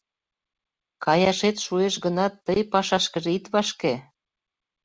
Каяшет шуеш гынат, тый пашашкыже ит вашке.